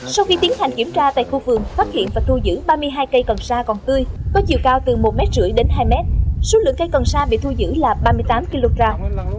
sau khi tiến hành kiểm tra tại khu vườn phát hiện và thu giữ ba mươi hai cây cần xa còn tươi có chiều cao từ một năm m đến hai m số lượng cây cần xa bị thu giữ là ba mươi tám kg